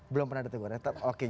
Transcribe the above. belum pernah ditegur oke